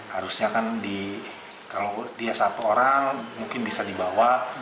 harusnya kan kalau dia satu orang mungkin bisa dibawa